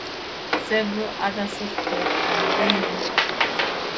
Several other software are available.